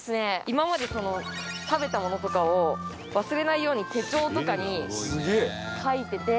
今まで食べたものとかを忘れないように手帳とかに書いてて。